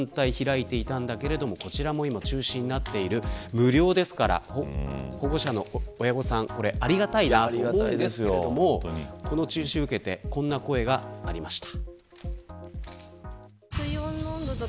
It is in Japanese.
無料ですから保護者の方ありがたいなと思うんですけど今年の中止を受けてこんな声がありました。